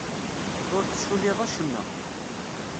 Ur tessuliḍ acemma.